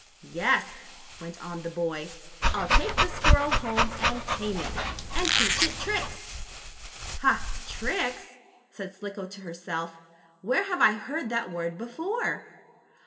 "Yes," went on the boy, "I'll take the squirrel home and tame it, and teach it tricks." "Ha! Tricks!" said Slicko to herself. "Where have I heard that word before?